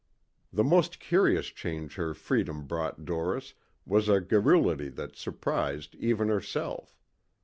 The most curious change her freedom brought Doris was a garrulity that surprised even herself.